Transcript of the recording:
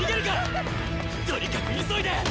⁉とにかく急いで。